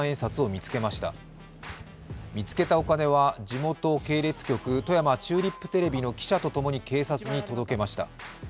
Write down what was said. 見つけたお金は地元系列局富山チューリップテレビの記者とともに警察に届けました。